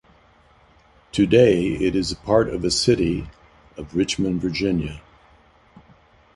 Today, it is a part of the city of Richmond, Virginia.